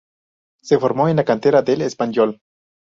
Se formó en la cantera del Espanyol.